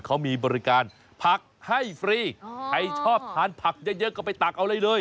เขามีบริการผักให้ฟรีใครชอบทานผักเยอะก็ไปตักเอาอะไรเลย